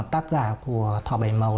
tác giả của thỏ bảy màu